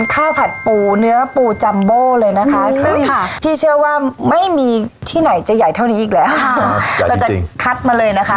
ผัดปูเนื้อปูจัมโบ้เลยนะคะซึ่งพี่เชื่อว่าไม่มีที่ไหนจะใหญ่เท่านี้อีกแล้วค่ะเราจะคัดมาเลยนะคะ